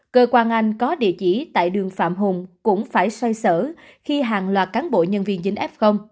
cơ quan anh có địa chỉ tại đường phạm hùng cũng phải xoay sở khi hàng loạt cán bộ nhân viên dính f